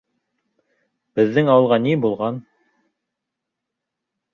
Беҙҙең ауылға ни булған?